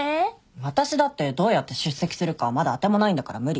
私だってどうやって出席するかまだ当てもないんだから無理。